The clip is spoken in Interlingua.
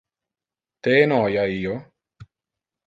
Te enoia io?